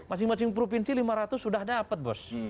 masing masing provinsi lima ratus sudah dapat bos